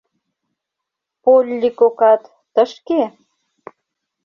— Полли кокат... тышке?